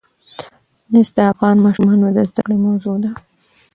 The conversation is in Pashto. مس د افغان ماشومانو د زده کړې موضوع ده.